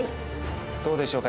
どうでしょうか？